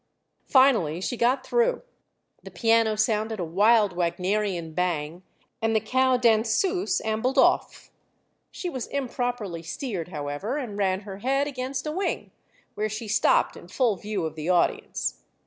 Finally she got through, the piano sounded a wild Wagnerian bang, and the cow danseuse ambled off. She was improperly steered, however, and ran her head against a wing, where she stopped in full view of the audience.